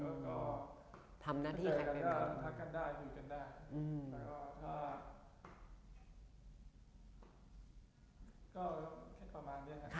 แล้วก็ถ้าก็แค่ประมาณเนี่ยค่ะ